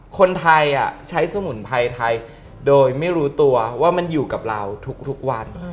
คนไทยใช้สมุนไพรไทยโดยไม่รู้ตัวว่ามันอยู่กับเราทุกวัน